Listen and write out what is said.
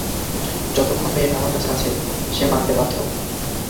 যতক্ষণ মেয়েটা আমার কাছে আছে সে মানতে বাধ্য।